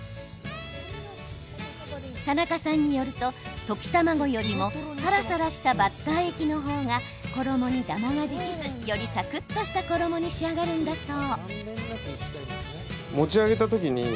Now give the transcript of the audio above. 田中さんによると溶き卵よりもさらさらしたバッター液の方が衣にダマができずよりサクっとした衣に仕上がるんだそう。